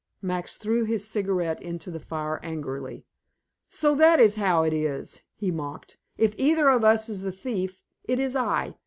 Max threw his cigarette into the fire angrily. "So that is how it is!" he mocked. "If either of us is the thief, it is I!